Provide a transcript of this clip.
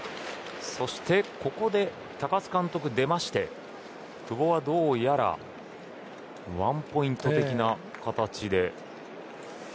そしてここでまた高津監督が出まして久保はどうやらワンポイント的な形で。